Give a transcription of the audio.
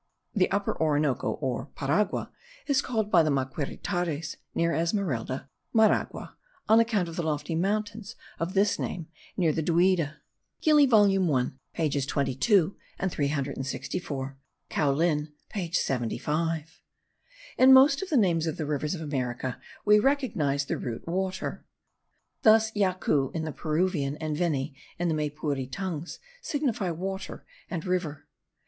The Upper Orinoco, or Paragua, is called by the Maquiritares (near Esmeralda) Maraguaca, on account of the lofty mountains of this name near Duida. Gili volume 1 pages 22 and 364. Caulin page 75. In most of the names of the rivers of America we recognize the root water. Thus yacu in the Peruvian, and veni in the Maypure tongues, signify water and river.